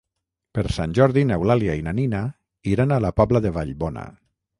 Per Sant Jordi n'Eulàlia i na Nina iran a la Pobla de Vallbona.